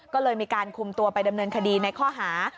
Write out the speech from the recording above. ก็เลยมีการคุมตัวไปดำเนินคดีในข้อหา